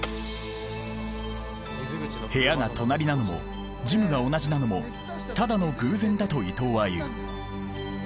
部屋が隣なのもジムが同じなのもただの偶然だと伊藤は言う。